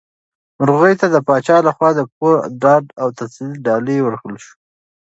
مرغۍ ته د پاچا لخوا د پوره ډاډ او تسلیت ډالۍ ورکړل شوه.